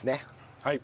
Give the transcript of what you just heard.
はい。